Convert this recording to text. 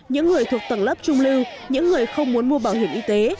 những người thuộc tầng lớp trung lưu những người không muốn mua bảo hiểm y tế